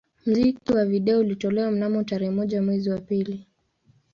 Muziki wa video ulitolewa mnamo tarehe moja mwezi wa pili